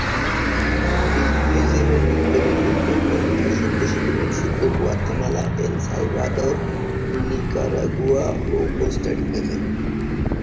Field মিউজিয়ামের বিজ্ঞানী রূপে পঞ্চাশের দশকে Mexico, Guatemala, El Salvador, Nicaragua ও কোস্টা রিকা যান।